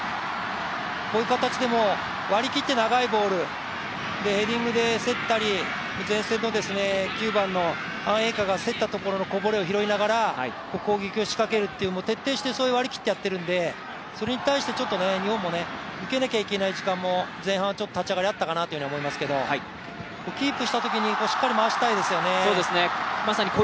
こういう形でも割り切って長いボール、ヘディングで競ったり前線の９番のアン・エイカが競ったところのこぼれを拾いながら攻撃を仕掛けるという徹底して割り切ってやっているのでそれに対して日本も受けなきゃいけない時間も、前半は立ち上がりあるかなと思いますがキープしたときにしっかり回したいですよね。